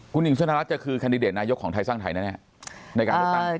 คุณหญิงสุดารัฐจะคือคันดิเดตนายกของไทยสร้างไทยนะเนี่ยในการเลือกสร้างไทย